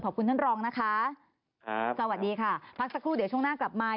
ขอบคุณท่านรองนะคะครับสวัสดีค่ะพักสักครู่เดี๋ยวช่วงหน้ากลับมา